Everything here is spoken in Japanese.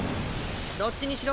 どっちにしろ